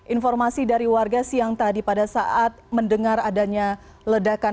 informasi dari warga siang tadi pada saat mendengar adanya ledakan